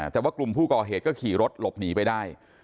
แต่ว่ากลุ่มผู้ก่อเหตุก็ขี่รถหลบหนีไปได้